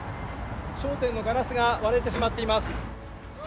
商店のガラスが割れてしまっています。